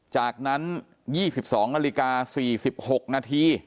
จากนั้น๒๒นาฬิกา๔๖นาที